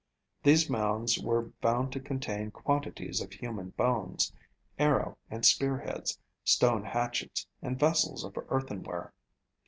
These mounds were found to contain quantities of human bones, arrow and spear heads, stone hatchets, and vessels of earthen ware.